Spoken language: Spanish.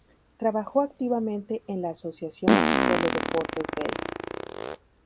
Trabajó activamente en la Asociación Oficial de Deportes Belga.